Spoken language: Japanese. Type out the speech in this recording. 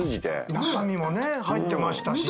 中身もね入ってましたし。